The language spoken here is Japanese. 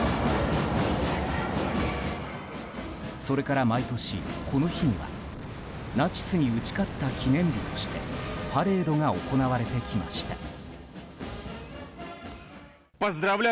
それから、毎年この日にはナチスに打ち勝った記念日としてパレードが行われてきました。